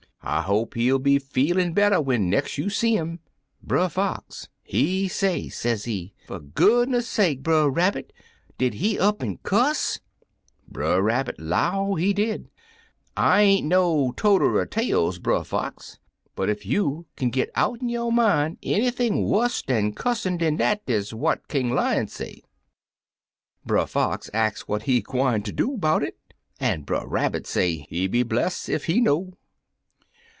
I hope he'll be feelin' better when nex' you see 'im.' Brer Fox, he say, sezee, 'Fer goodness' sake. Brer Rabbit! Did he up an' cuss?' Brer Rabbit 'low, he did, 'I ain't no toter er tales. Brer Fox, but ef you kin git out'n yo' min' any 89 Uncle Remus Returns thing wuss dan cussin' den dat des what King Lion say/ Brer Fox ax what he gwine ter do 'bout it, an' Brer Rabbit say he be bless' ef he know.